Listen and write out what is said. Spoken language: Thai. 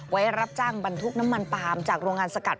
ไว้รับจ้างบรรทุกน้ำมันปาล์มจากโรงงานสกัด